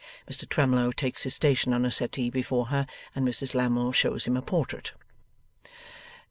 Mr Twemlow takes his station on a settee before her, and Mrs Lammle shows him a portrait.